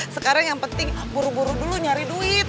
sekarang yang penting buru buru dulu nyari duit